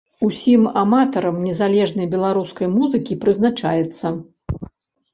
Усім аматарам незалежнай беларускай музыкі прызначаецца.